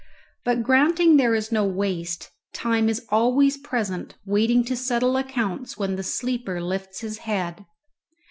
But granting there is no waste, Time is always present waiting to settle accounts when the sleeper lifts his head.